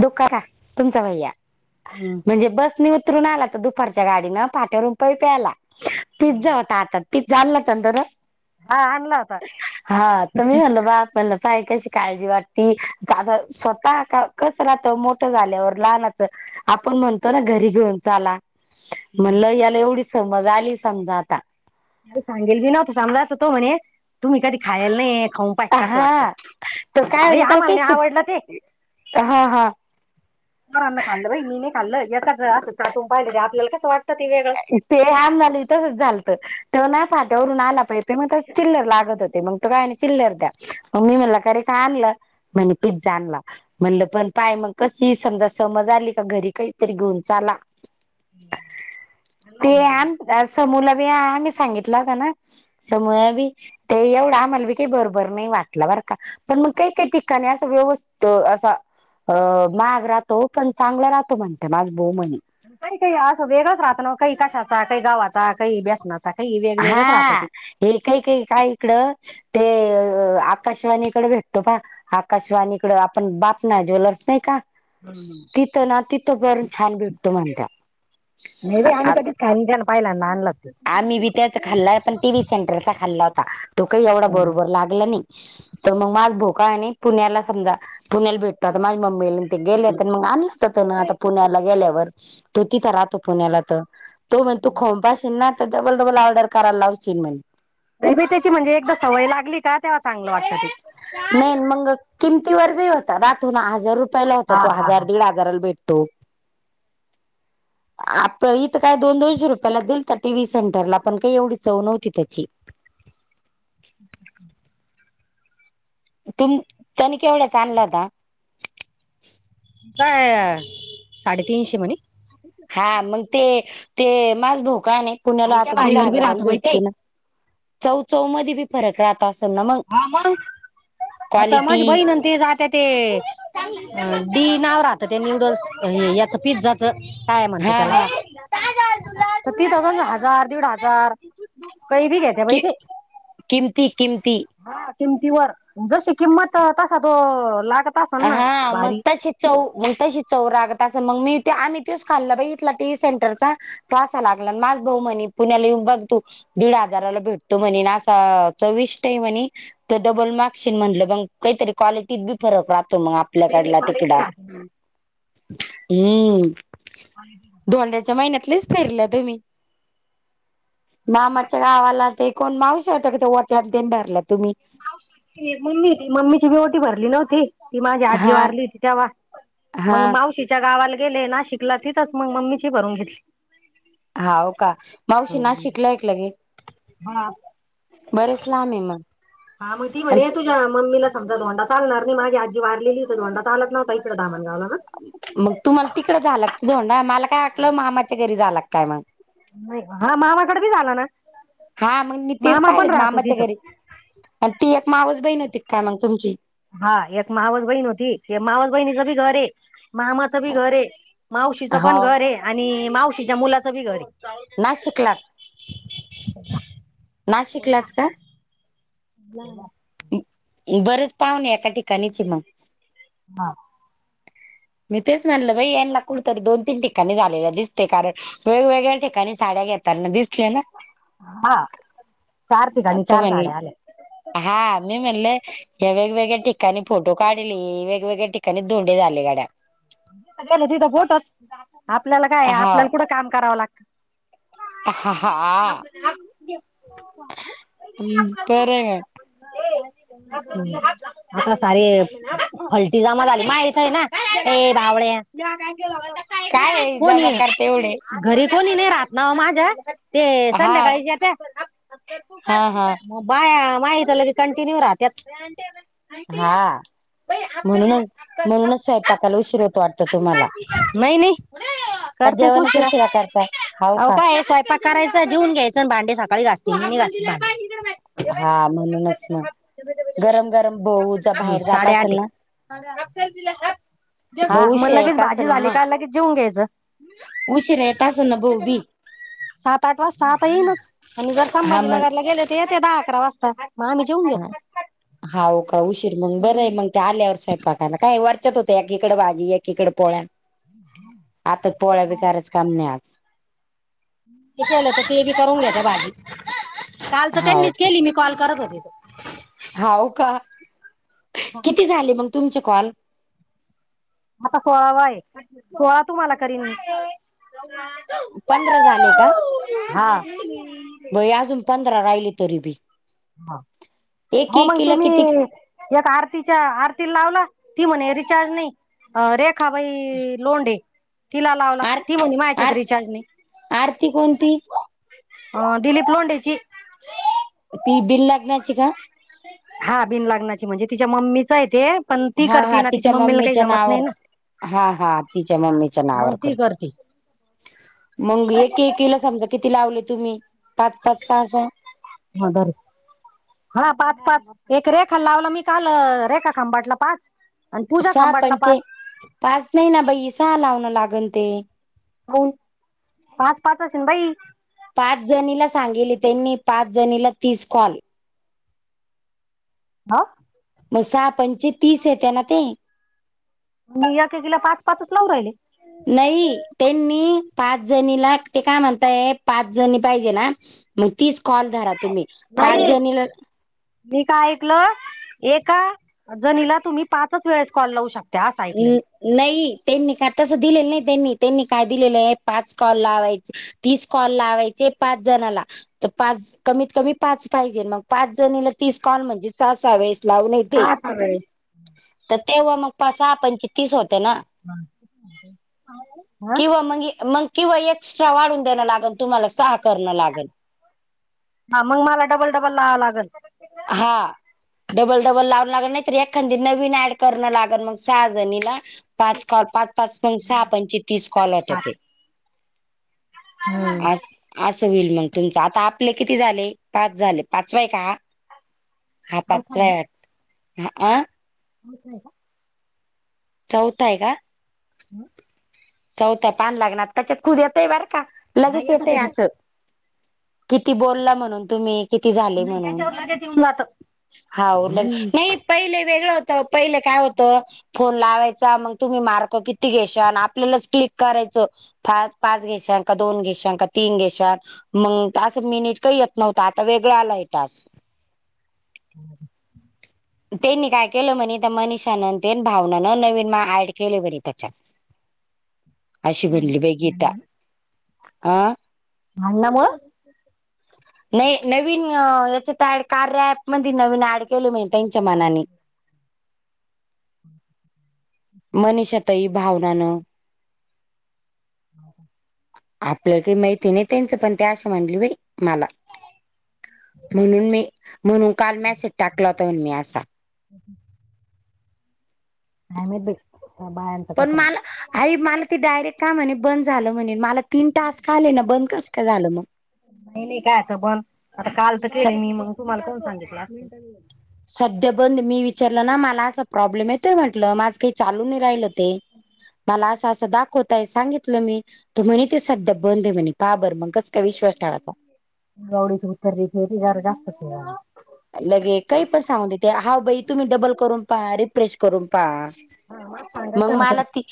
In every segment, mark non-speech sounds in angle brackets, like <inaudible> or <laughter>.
धोका का तुमचा भैया हम्म. म्हणजे बस निव उतरून आला तर दुपारच्या गाडीन पाट्यावरून पै प्यायला पिझ्झा होता आता त चाललंतंतर हा आणला होता. हा तु म्ही म्हणल बाप म्हणलं पाय क काळजी वाटती त स्वताः का कस राहत मोठं झाल्यावर लहनाचं आपण म्हणतो ना घरी घेऊन चाला हम्म. म्हणलं याला एवढीच वॅली समजा आता सांगेल बी नवतं समजायचं तो म्हणे तुम्ही कधी खायला नाही खाऊ पचस लागतो हा तर काय हा म्हणे त्याला आम्हाला काही नाही. हा सुट आवडला ते हा हा <inaudible> ते आंबाला तसच झालत तेव्हा ना फाट्यावरून आला पाहि तेे मग त चिल्लर लागत होते मग तो काय किल्लर द्या मग मी म्हणला खरे काय आणलं म्हणे पिझ्झा आणला म्हणलं पण पाय मग कशी समजा समज आली का घरी काहीतरी घेऊन चाला ह ते समूला ब आही सांगितला होता ना समया बी ते एवढं आम्हाला बी काही बरोबर नाही वाटला बर का पण मग काही काही ठिकाणी अस व्यवस्थ तो असा माग राहतो पण चांगला राहतो म्हणते माझ बऊ म्हणी काही काही असं वेगळच राहत ना काही कशाचा काही गावाचा काही ब्यसनाचा हा हे काही काही काय इकडं ते आकाशवाणीकडे भेटतो प आकाशवाणीकड आपण बप ना ज्वेलर्स नाही का तिथं ना तिथं बरण छान भेटतो म्हणत काण पाहिला ना आणला आम्ही बी त्यात खाल्ला पण टी व्ही सेंटरचा खाल्ला होता तो काही एवढा बरोबर नाही लागला नाही तर मग माझ भाऊ का म्हणे, पुण्याला समजा पुण्याला भेटतो आता माझ्या मम्मीला ते गेलेत मग आणलं तर ना आता पुण्याला गेल्यावर तो तिथं राहतो पुण्याला तर तो म्हग तू खोंपशील ना तर डबल डबल ऑर्डर करायला लावशील म्ह अी त्याची म्हणजे एकदा सवय लागली का तेव्हा चांगलं वाटतं त नाही मग किमतीवरर ब होता राातून ना हजार रुपयाला होता हा तो हा हा हजार दीड हार कराल भेटतो आप इथं काय दोन दोनशे रुपयाला दिल तर टीव्ही सेंटरला पण काही एवढी चव नव्हती त्याची तुम तनी केवढच आणलं होता काय साडेतीनशे म्हणे हा मग ते ते माझ भाऊ का नाही पुण्याला हलक्या आता दीड भारीवर बी हजाराला राहत बाई ते भेटतो ना चौ चौ मध्ये बी फरक राहता असेल ना मग <inaudible> क्वालिटी ते जात ते डी नाव राहत ते न्यूडल्स याच पिझ्झा. काय म्हणते हा त्याला हा तर ती थजंड हजार दीड हजार काही भी कते भाई कि ते किमती किमती हा किंमतीवर जशी किंमत तसा तो लागत. असेल ना हा मग भारी त्या चित चव मग तशी चौ रागत अस मग मी ते आम्ही तेच खाल्ल बा इथला टी सेंटरचा तो असा लागला माझ भाऊ म्हणी पुण्याला येऊन बघ तू दीड हजाराला भेटतो म्हणे ना असं चौविसही म्हणे. तो डबल मार्कशीन म्हटलं मग काहीतरी क्वालिटीत बी फरक राहतो मग आपल्याकडला क्वालिटी तिकडा राहते हम्. च्या महिन्यातलीच फेरलं तुम्ही? मामाच्या गावाला ते कोण मावसा य होता कि वट्यान भरला तुम्ही? मम्मी मम्मीची बी ओटी भरली नव्हती ती माझी आजी हा वारली होती तेव्हा हा मग मावशीच्या गावाला गेले ना शिकलं तिथच मग मम्मीची भरून घेतली. हा हो का मावशी ना शिकलं एक लगे हा बरंच लाब आहे मग हां मग त आणि म्हणे तुझ्या म्मीला समजा ोंडा चालणार नाही माझी आजी वाारलेली तरोंडा चाला नव्ह इकडेामणगाला ह ना. मग तुम्हाला तिकड झालं तुझोंडा मला काय वाटलं मामाच्या घरी झाला काय मग नाही हा मामाकडे बी झाला ना. हा मग मी तेच मामा पण पाहिलेत राहतो मामाच्या तिथं घरी ती एक मावस बहीण होती का मग तुमची? हा एक मावस बहीण न होती ते मावस बहिणीचे घर मामाचं बी घर आहे मावशीचं हो पण घर आहे आणि मावशीच्या मुलाचं बी घर आहे. ना शिकलाच ना शिकलाच का? ह. बरच पाहणे एका ठिकाणीची मग हा. मी तेच म्हणल बाई यांना कुठतरी दोन तीन ठिकाणी झालेल्या दिसते कारण वेगवेगळ्या ठिकाणी साड्या घेतातना दिसल्या ना. हा. चार म ठिकाणी चार तमणे साड्या आल्या हा मी मल या वेगवेगळ्या ठिकाणी फोटो काढली वेगवेगळ्या ठिकाणी दधोंडे झाले गाड्या तिथं बोटच आपल्याला काय हा आपल्याला कुठं काम करावं लागत. हा. ह् बरंग. आता सार फलटी जमा झाली माहीच आहे ना. ए बावळे काय आहे हो. जमा करते एवढे घरी कोणी नाही राहत ना माझ्या ते हा संध्याकाळीू हा हा बाया माहितलं की कंटिन्यू राहत. हा म्हणूनच म्हणूनच स्वयंपाक. नाही नाही. का जेवणच करतेसूचरा उशिरा करता हाव का काय सा प करायच जेऊन घ्यायचं भांडे सकाळी गासतील म्ह ग. हा म्हणूनच मग गरम गरम भाऊ ज हम्म, बाहेर जात साडेआठ असेल ना. हा भाऊ मग उशिरा लगेच येत भाजी असेल ना झाली मग का लगेच जेऊन घ्यायचं. उशिरा येत असेल ना भाऊ बी सात आठ वाज सात येईनच आणि जर हा मग संभाजीनग येते द अकरा वाज हा हा का उशीर मग बरं आहे मग त्या आल्यावर स्वयब पाकायला काय वरचत होते एकीकडे भाजी एकीकडे पोळ्या आता पोळ्या बी कारच काम नाही आज ल तर ते बी करून घ्याेत भाजी काल तर हाव त्यांनीच का केली मी कॉल करत होतेथ हाव का किती झाले मग तुमचे कॉल आता सोळावा आहे सोळा तू मला की पंधरा झाले का बई अजून पंधरा राहिली तरी बी हा एक हो मग ते एकीला मी किती एक आरतीच्या आरतीला लावला ती म्हणे रिचार्ज नाही अ रेखा बाई लोंडे तिला लावला ती म्हली मा्याच्यात रिचार्जने ती कोणती अ दिलीप लोंडेची ती बिल लागण्याची का हा बिन लाग्नाची म्हणजे तिच्या मम्मीच आहे ते पण ती हा करते हा ना तिच्या मम्मीला काही मम्मीच्या जमत नाही नावावर ना हा हा तिच्या मम्मीच्या नावर मग ती करते मग एक एक ला समजा किती लावले तुम्ही पाच पाच सहा हर हा पाच पाच एक रेखा लावला मी काल रेखा खांबाटला पाच आणि पूजा सहा खांबाटला पंच पाच पाच नाही ना बाई सहा लावणं लागन ते होन पाच पाच असेन बाई पाच जणीला सांगितले त्यांनी पाच जणीला तीस कॉल हा म सहा पंच तीस येत ना ते मी याकीला पाच पाच लाव राहिले नाही त्यांनी पाच जणीला ते काय म्हणताय पाच जणी पाहिजे ना मग तीच कॉल धरा तुम्ही पाच नाही जणीला मी काय ऐकलं एका जणीला तुम्ही पाचच वेळेस कॉल लावू शकता असं ऐकलं मी. नाही त्यांनी काय तसं दिलेलं नाही त्यांनी त्यांनी काय दिलेलं आहे पाच कॉल लावायचे तीस कॉल लावायचे पाच जणाला तर पाच कमीत कमी पाच पाहिजे मग पाच जणला तीस कॉल म्हणजे सहा सहा व्याळेस लावून येत हा ह तर तेव्हा मग पा सहा पणच तीस होते ना हा किंवा मगे मग. किंवा एक्स्ट्रा वाढून देणं लागल तुम्हाला सहा करणं लागल. हा मग मला डबल डबल लावां लागेल. हा. डबल डबल लावून लागल नाहीत एखादी नवीन ऍड करणं लागल मग सहाजणीला. पाच कॉल पाच पाच पण सहा पणचे तीस कॉल होता ते हम्म. अस असं होईल मग तुमच आता आपले किती झाले पाच झाले पाचवाय का हा अवघड आहे पाचरा आठ ह आ <inaudible> चौता आहे का. <inaudible> चौथा पान लागणार त्याच्यात खुद येतय बर का लगेच येतय त्याच्यावर असं किती बोलला म्हणून तुम्ही किती झाले म्हणून लगेच येऊन जात हालग नाही पहिले वेगळं होत पहिले काय होत फोन लावायचा मग तुम्ही मारको किती घेशल क्लिक करायच पाच घेश का दोन घेशन का तीन घेश मग तास मिनिट का येत नव्हता आता वेगळां आलाय तास ह <inaudible> <inaudible> त्यांनी काय केलं म्हणे त्या मनिषानं भावनान नवीन ऍड केले बरी त्याच्यात. अशी बोली बाई गीता आ. भणणा मुळं <unintelligible> नाही नवीन अ याच्यात ॲड कार्या ॲपमध्ये नवीन ॲड केले त्यांच्या मनाने. हम् <inaudible> मनीषाताई भावनानं. हो <inaudible> आपल्या काही माहिती नाही त्यांचं पण ते आशा म्हणल्या बाई. मला म्हणून मी म्हणून काल मेसेज टाकल होता म्हणून असा. अओके <unintelligible> आ म ब बा <unintelligible> पण मला आई मला ते डायरेक्ट का म्हणे बंद झालं म्हणे मला तीन टास्क आले ना बंद कस का झालं मग. नाही नाही कायचं बंद आता काल तर स केले मी मग तुम्हाला करून सांगितलं असत. सध्या बंद मी विचारलं ना मला असा प्रॉब्लेम येतोय म्हटलं माझ काही चालू नाही राहिलं ते. मला असं असं दाखवतय सांगितलं मी त म्हणे त सध्या बंद आहे म्हणे काबर मग कस. काय विश्वास ठेवायचा गवडीची उतरची फेती जर जास्त केला <unintelligible> लगे काही पण सांगून देते हा बाई तुम्ही डबल करून पहा रिफ्रेश करून पहा. मग सांगायचं ना मला काही ती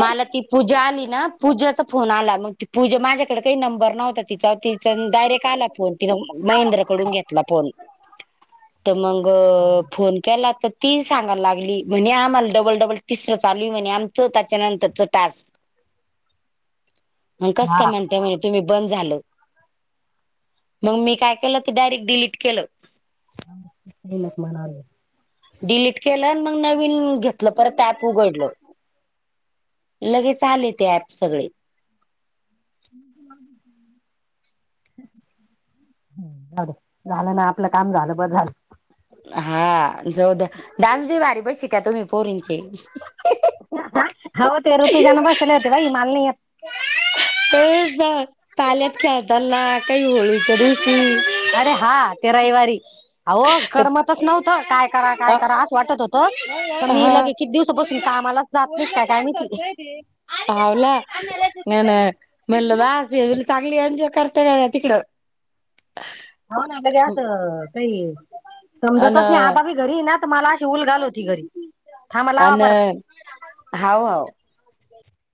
मला ती पूजा आली ना पूजाचा फोन आला मग त पूजा माझ्याकडे काही नंबर नव्हता तिचा ती पण डायरेक्ट आला फोन तिनें महेंद्रकडून घेतला फोन तर मंग फोन केला तर ती सांगायला लागली म्हणे आम्हाला डबल डबल तिसरं चालू म्हणे आमचं त्याच्या नंतरच टास्क मग कस काय हा. म्हणताय मग. तुम्ही बंद झालं मंग मी काय केलं ते डायरेक्ट डिलीट केलं. ही लेक म्हणाली. डिलीट केलं मग नवीन घेतलं परत ॲप उघडलं. लगेच आले ते ऍपस सगळे. <inaudible> मडो झालं ना आपलं काम झालं बस झाल. हा जाऊ द्या डान्स बी भारी बसीव का तुम्ही पोरींचे? होत एव तू जन बसल हतेव इ म माल <unintelligible> तर जा पाल्यात खेळताना काही होळी. अरे हा ते रविवारी. आ हो करमतच नव्हतं काय करा काय अ करा असं वाटत होत तर मी हा लगेच किती दिवसा पासून कामालाच जात नसते काय माहीती. हवला अन मल द <unintelligible> चांगली एन्जॉय करते बाबा तिकड. हो ना बघे असं काही अन समजतच नाही आता बाई. घरी नात मला अशी उल घाल होती घरी. थांबा लावा अन परत. हाय होय.